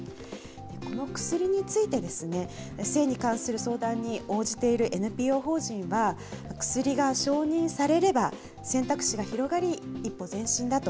この薬について、性に関する相談に応じているＮＰＯ法人は、薬が承認されれば、選択肢が広がり、一歩前進だと。